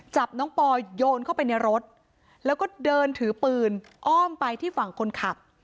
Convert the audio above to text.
จับน้องปอยโยนเข้าไปในรถแล้วก็เดินถือปืนอ้อมไปที่ฝั่งคนขับ